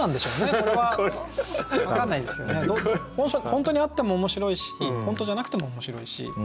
本当にあっても面白いし本当じゃなくても面白いし。